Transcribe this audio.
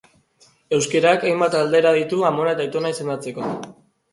Euskarak hainbat aldaera ditu amona eta aitona izendatzeko.